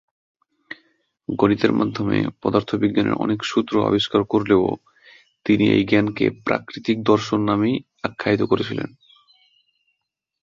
গণিতের মাধ্যমে পদার্থবিজ্ঞানের অনেক সূত্র আবিষ্কার করলেও তিনি এই জ্ঞানকে প্রাকৃতিক দর্শন নামেই আখ্যায়িত করেছিলেন।